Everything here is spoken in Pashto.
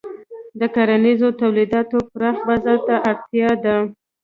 د کرنیزو تولیداتو پراخ بازار ته اړتیا ده.